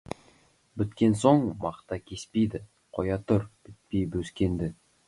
Біткен соң мақта кеспейді, қоя тұр бітпей бөскенді.